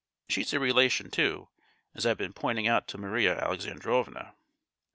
She's a relation, too, as I've been pointing out to Maria Alexandrovna."